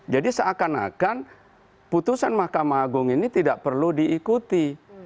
jadi seakan akan putusan mahkamah agung ini tidak perlu diikuti